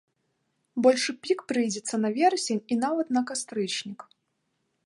Большы пік прыйдзецца на верасень і нават на кастрычнік.